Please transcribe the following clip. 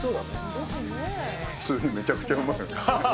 普通にめちゃくちゃうまい。